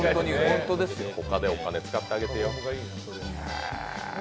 他でお金使ってあげてよ。